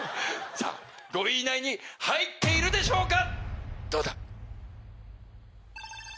５位以内に入っているでしょうか